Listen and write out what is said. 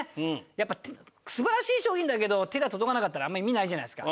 やっぱ素晴らしい商品だけど手が届かなかったらあんま意味ないじゃないですか。